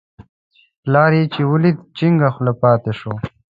پلار چې یې ولید، جینګه خوله پاتې شو.